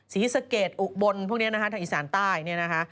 ศรีสะเกดอุบลพวกนี้นะคะทางอีสานใต้เนี่ยนะคะ